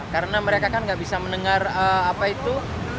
karena mereka kan nggak bisa mendengar apa itu